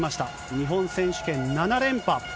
日本選手権７連覇。